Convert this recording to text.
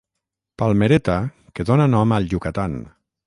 Palmereta que dóna nom al Yucatán.